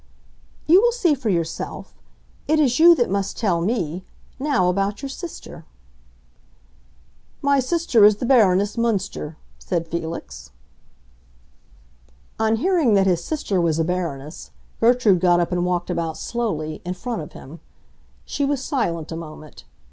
"You will see for yourself. It is you that must tell me; now, about your sister." "My sister is the Baroness Münster," said Felix. On hearing that his sister was a Baroness, Gertrude got up and walked about slowly, in front of him. She was silent a moment.